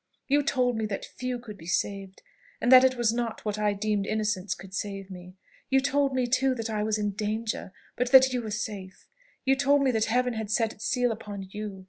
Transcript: You told me that few could be saved, and that it was not what I deemed innocence could save me. You told me too, that I was in danger, but that you were safe. You told me that Heaven had set its seal upon you.